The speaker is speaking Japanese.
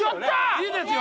いいですよ！